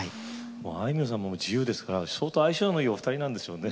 あいみょんさんも自由ですから相性のいいお二人なんでしょうね。